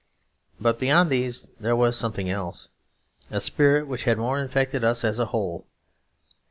But beyond these, there was something else, a spirit which had more infected us as a whole.